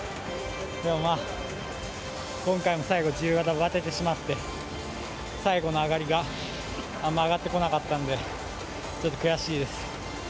でも、まあ今回最後自由形でばててしまって最後の上がりがあんまり上がってこなかったのでちょっと悔しいです。